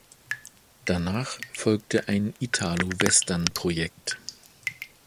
Danach folgte ein Italo-Western-Projekt.